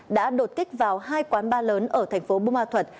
đã đột kích vào hai quán ba lớn ở thành phố bù ma thuật